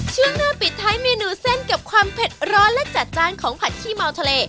ช่วงหน้าปิดท้ายเมนูเส้นกับความเผ็ดร้อนและจัดจ้านของผัดขี้เมาทะเล